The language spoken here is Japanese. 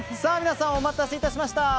皆さん、お待たせいたしました。